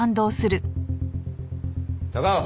高尾！